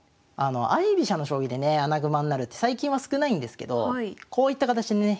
相居飛車の将棋でね穴熊になるって最近は少ないんですけどこういった形でね